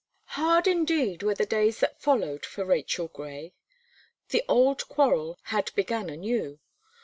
Hard indeed were the days that followed for Rachel Gray. The old quarrel had began anew.